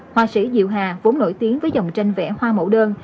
họa sĩ diệu hà vốn nổi tiếng với dòng tranh vẽ hoa mẫu đơn